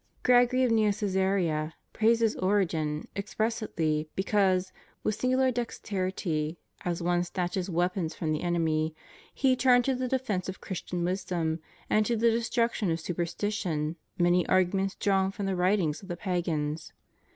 Gregory of Neocaesarea ' praises Origen expressly because, with singular dexterity, as one snatches weapons from the enemy, he turned to the defence of Christian wisdom and to the destruction of superstition many arguments drawn from the writings of the pagans.